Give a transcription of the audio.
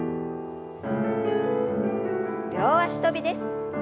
両脚跳びです。